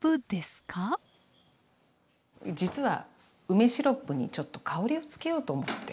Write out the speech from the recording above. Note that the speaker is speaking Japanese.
実は梅シロップにちょっと香りをつけようと思って。